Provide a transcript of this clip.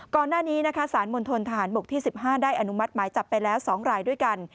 ก่อนหน้านี้นะคะสารมณฑนทหารบกที่๑๕ได้อนุมัติหมายจับไปแล้ว๒รายด้วยกัน